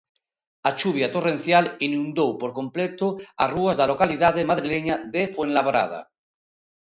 A chuvia torrencial inundou por completo as rúas da localidade madrileña de Fuenlabrada.